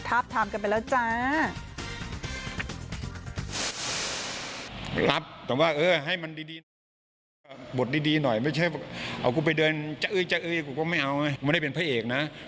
ทาบทามกันไปแล้วจ้า